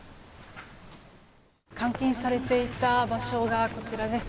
監禁されていた場所がこちらです。